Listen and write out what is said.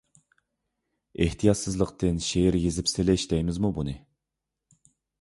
ئېھتىياتسىزلىقتىن شېئىر يېزىپ سېلىش دەيمىزمۇ بۇنى؟ !